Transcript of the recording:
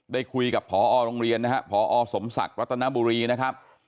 ได้คุยกับพอโรงเรียนนะฮะพอสมศักดิ์รัตนบุรีนะครับ